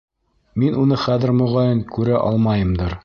Мин уны хәҙер, моғайын, күрә алмайымдыр...